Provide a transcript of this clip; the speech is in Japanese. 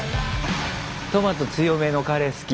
トマト強めのカレー好き。